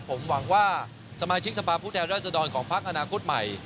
ผมหวังว่าสมาชิกสภาพผู้แทนราชดรของพักอนาคตใหม่